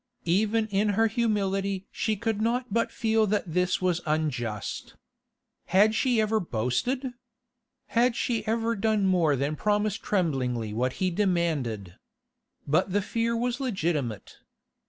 Even in her humility she could not but feel that this was unjust. Had she ever boasted? Had she ever done more than promise tremblingly what he demanded? But the fear was legitimate.